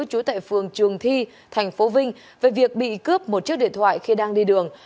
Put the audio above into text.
trú tại phường trường thi tp vinh về việc bị cướp một chiếc điện thoại khi đang đi đường